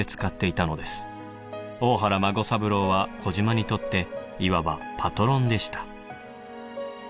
大原孫三郎は児島にとっていわばパトロンでした。